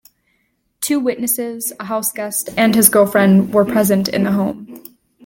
Two witnesses, a house guest and his girlfriend were present in the home.